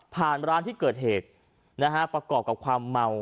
ร้านที่เกิดเหตุนะฮะประกอบกับความเมา